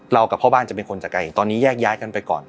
กับพ่อบ้านจะเป็นคนจากไกลตอนนี้แยกย้ายกันไปก่อน